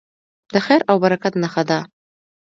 د خیر او برکت نښه ده.